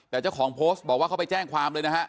แต่เจ้าของโพสต์บอกว่าเขาไปแจ้งความเลยนะฮะ